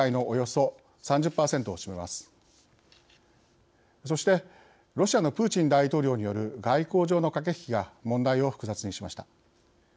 そして、ロシアのプーチン大統領による外交上の駆け引きが問題を複雑にしました。